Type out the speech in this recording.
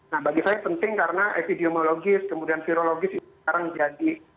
nah bagi saya penting karena epidemiologis kemudian virologis itu sekarang jadi